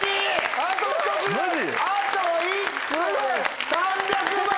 あと１個で３００万！